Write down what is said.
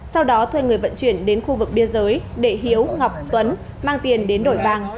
sau đó thuê người vận chuyển đến khu vực biên giới để hiếu ngọc tuấn mang tiền đến đổi vàng